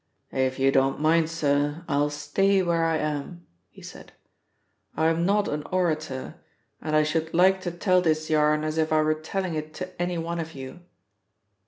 "If you don't mind, sir, I'll stay where I am," he said. "I'm not an orator, and I should like to tell this yarn as if I were telling it to any one of you."